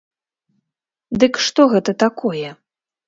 Дык што гэта такое?